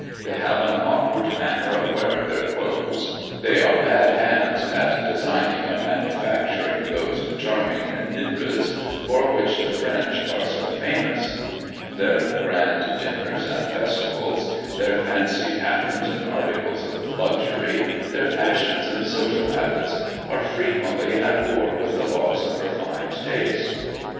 They have an awkward manner of wearing their clothes; they are bad hands at designing and manufacturing those charming nippes, for which the French are so famous; their grand dinners and festivals, their fancy patterns and articles of luxury, their fashions and social habits, are frequently at war with the laws of refined taste.